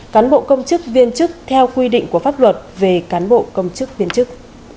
cán bộ công chức viên chức theo quy định của pháp luật về cán bộ công chức viên chức